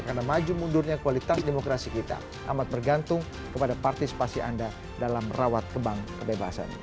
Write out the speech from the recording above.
karena maju mundurnya kualitas demokrasi kita amat bergantung kepada partisipasi anda dalam rawat kebang kebebasan